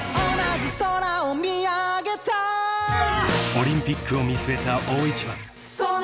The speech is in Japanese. ［オリンピックを見据えた大一番］